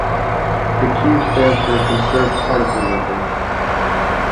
The Q stands for a conserved particle number.